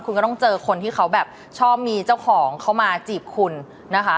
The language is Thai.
คุณก็ต้องเจอคนที่เขาแบบชอบมีเจ้าของเขามาจีบคุณนะคะ